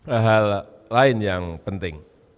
hal hal lain yang penting